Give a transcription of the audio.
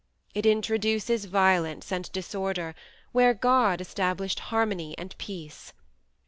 It introduces violence and disorder, where God established harmony and peace.